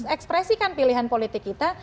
ekspresikan pilihan politik kita